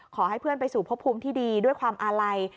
ขอให้เพื่อนไปสู่พบภูมิที่ดีด้วยความอาลัย